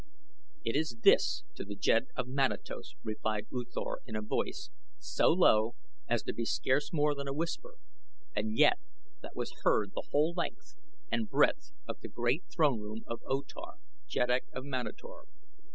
"It is this to the jed of Manatos," replied U Thor in a voice so low as to be scarce more than a whisper and yet that was heard the whole length and breadth of the great throne room of O Tar, Jeddak of Manator.